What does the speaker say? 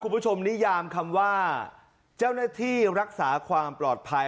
คุณผู้ชมนิยามคำว่าเจ้าหน้าที่รักษาความปลอดภัย